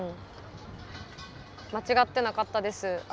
間違ってなかったです。